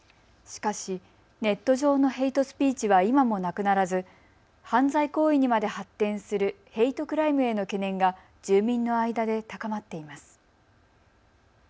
しかしネット上のヘイトスピーチは今もなくならず犯罪行為にまで発展するヘイトクライムへの懸念が住民の間で高まっています。